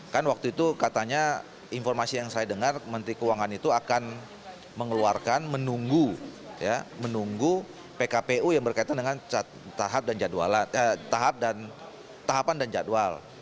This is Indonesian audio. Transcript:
kan waktu itu katanya informasi yang saya dengar menteri keuangan itu akan mengeluarkan menunggu pkpu yang berkaitan dengan tahapan dan jadwal